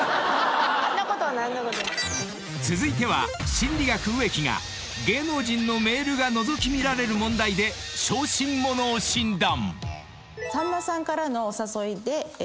［続いては心理学植木が芸能人のメールがのぞき見られる問題で小心者を診断］